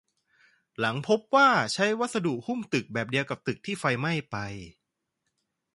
หลังพบว่าใช้วัสดุหุ้มตึกแบบเดียวกับตึกที่ไฟไหม้ไป